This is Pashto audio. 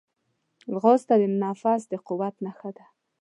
ځغاسته د نفس د قوت نښه ده